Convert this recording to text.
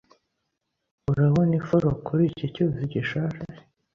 Urabona ifuro kuri iki cyuzi gishaje